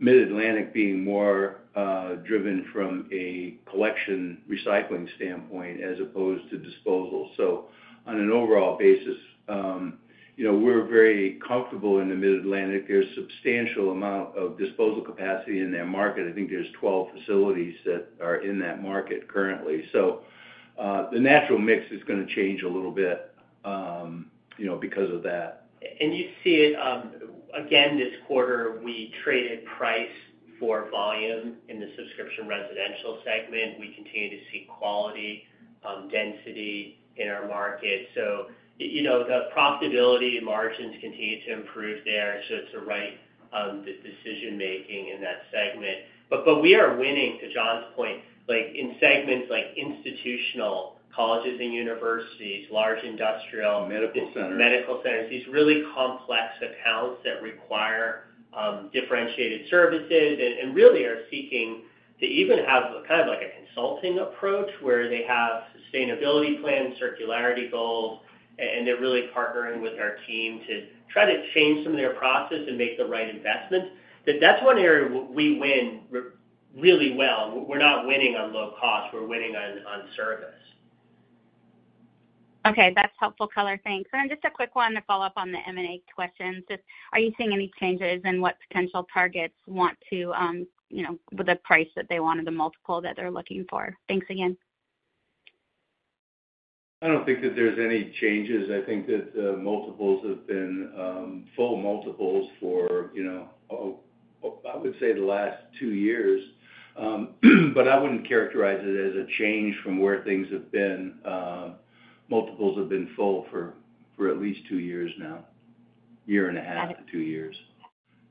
Mid-Atlantic being more driven from a collection recycling standpoint as opposed to disposal. So on an overall basis, you know, we're very comfortable in the Mid-Atlantic. There's substantial amount of disposal capacity in that market. I think there's 12 facilities that are in that market currently. So, the natural mix is gonna change a little bit, you know, because of that. And you see it again, this quarter, we traded price for volume in the subscription residential segment. We continue to see quality density in our market. So you know, the profitability and margins continue to improve there, so it's the right decision-making in that segment. But we are winning, to John's point, like, in segments like institutional, colleges and universities, large industrial- Medical centers. medical centers, these really complex accounts that require differentiated services and really are seeking to even have kind of like a consulting approach, where they have sustainability plans, circularity goals, and they're really partnering with our team to try to change some of their process and make the right investments. That's one area we win really well. We're not winning on low cost; we're winning on service. Okay, that's helpful color. Thanks. And then just a quick one to follow up on the M&A questions. Just, are you seeing any changes in what potential targets want to, you know, with the price that they want or the multiple that they're looking for? Thanks again. I don't think that there's any changes. I think that multiples have been full multiples for, you know, I would say, the last two years. But I wouldn't characterize it as a change from where things have been. Multiples have been full for at least two years now. Year and a half to two years.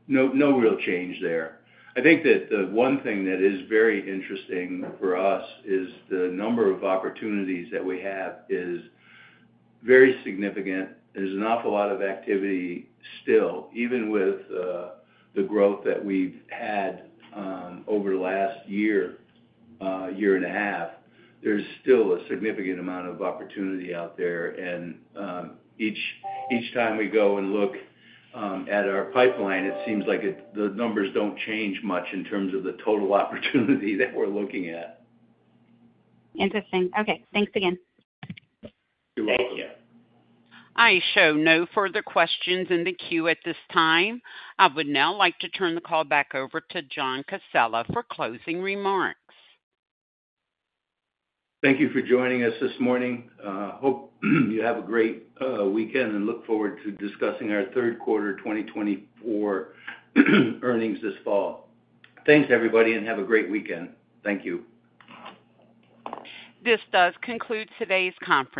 Got it. No, no real change there. I think that the one thing that is very interesting for us is the number of opportunities that we have is very significant. There's an awful lot of activity still. Even with the growth that we've had over the last year and a half, there's still a significant amount of opportunity out there. And each time we go and look at our pipeline, it seems like the numbers don't change much in terms of the total opportunity that we're looking at. Interesting. Okay, thanks again. You're welcome. Thank you. I show no further questions in the queue at this time. I would now like to turn the call back over to John Casella for closing remarks. Thank you for joining us this morning. Hope you have a great weekend, and look forward to discussing our Q3 2024 earnings this fall. Thanks, everybody, and have a great weekend. Thank you. This does conclude today's conference.